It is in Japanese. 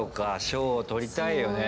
賞を取りたいよね。